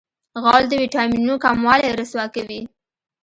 غول د وېټامینونو کموالی رسوا کوي.